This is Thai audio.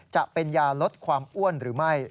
จะเป็นยาลดความอ้วนหรือไม่